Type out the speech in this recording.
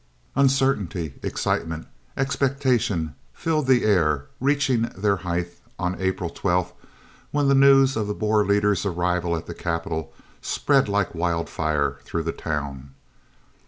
Uncertainty, excitement, expectation filled the air, reaching their height on April 12th, when the news of the Boer leaders' arrival at the capital spread like wild fire through the town.